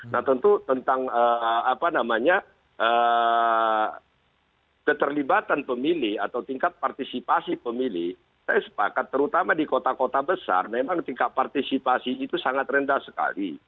nah tentu tentang apa namanya keterlibatan pemilih atau tingkat partisipasi pemilih saya sepakat terutama di kota kota besar memang tingkat partisipasi itu sangat rendah sekali